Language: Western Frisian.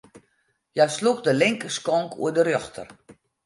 Hja sloech de linkerskonk oer de rjochter.